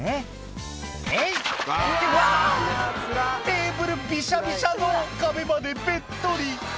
テーブルびしゃびしゃの壁までべっとり」